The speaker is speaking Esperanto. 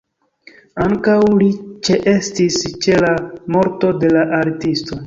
Ankaŭ li ĉeestis ĉe la morto de la artisto.